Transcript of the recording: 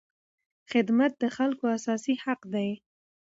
خدمت د خلکو اساسي حق دی.